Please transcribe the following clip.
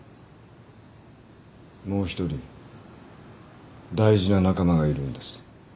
もう一人大事な仲間がいるんです。